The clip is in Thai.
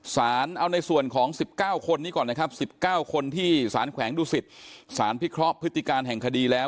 สารเอาในส่วนของ๑๙คนนี้ก่อนนะครับ๑๙คนที่สารแขวงดุสิตสารพิเคราะห์พฤติการแห่งคดีแล้ว